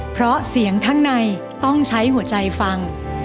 ความเชื่อมั่นในตัวเองมันหายไป